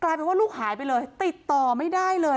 กลายเป็นว่าลูกหายไปเลยติดต่อไม่ได้เลย